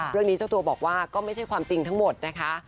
เจ้าตัวบอกว่าก็ไม่ใช่ความจริงทั้งหมดนะคะ